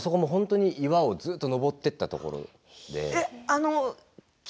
あそこもずっと岩をずっと登っていたところで。